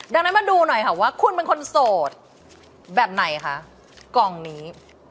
ดังนั้นมาดูหน่อยค่ะว่าคุณเป็นคนโสดแบบไหนคะกล่องนี้